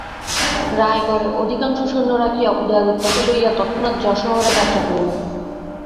রায়গড়ে অধিকাংশ সৈন্য রাখিয়া উদয়াদিত্যকে লইয়া তৎক্ষণাৎ যশোহরে যাত্রা করিল।